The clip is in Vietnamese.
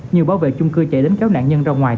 như bảo vệ chung cư chạy đến kéo nạn nhân ra ngoài